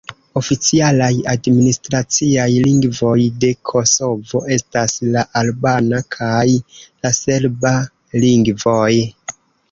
Oficialaj administraciaj lingvoj de Kosovo estas la albana kaj la serba lingvoj.